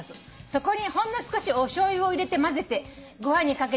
そこにほんの少しおしょうゆを入れて混ぜてご飯にかけて食べてみてください」